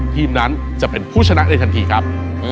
ทีมนั้นจะเป็นผู้ชนะในทันทีครับ